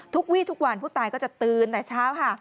วี่ทุกวันผู้ตายก็จะตื่นแต่เช้าค่ะ